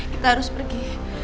kita harus pergi